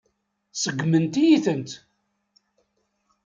Seggment-iyi-tent.